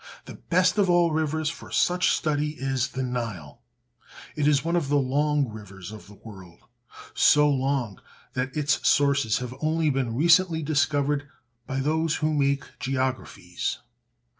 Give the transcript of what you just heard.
The best of all rivers for such study is the Nile. It is one of the long rivers of the world, so long that its sources have only been recently discovered by those who make geographies.